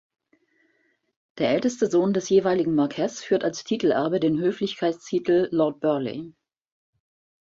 Der älteste Sohn des jeweiligen Marquess führt als Titelerbe den Höflichkeitstitel "Lord Burghley".